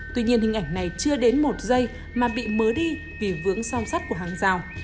tuy nhiên hình ảnh này chưa đến một giây mà bị mớ đi vì vướng song sắt của hàng rào